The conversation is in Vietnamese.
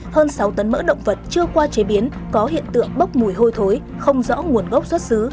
hơn sáu tấn mỡ động vật chưa qua chế biến có hiện tượng bốc mùi hôi thối không rõ nguồn gốc xuất xứ